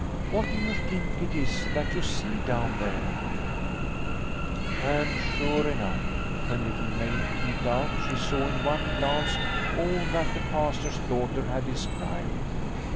" What do you think it is that you see down there ?" And sure enough, when Little Maid peeped out, she saw in one glance all that the Pastor's daughter had described.